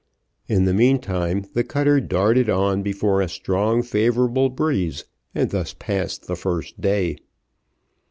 In the meantime, the cutter darted on before a strong favourable breeze, and thus passed the first day.